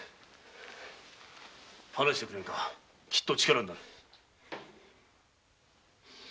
話してくれぬかきっと力になる。